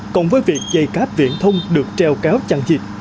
cộng với việc dây cáp viễn thông được treo cáo chặn dịch